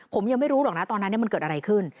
ผมยังไม่รู้หรอกนะตอนนั้นมันเกิดอะไรขึ้น